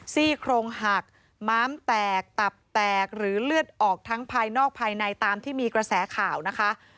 ซี่โครงหักม้ามแตกตับแตกหรือเลือดออกทั้งภายนอกภายในตามที่มีกระแสข่าวนะคะ